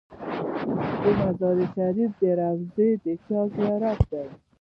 د مزار شریف روضه د چا زیارت دی؟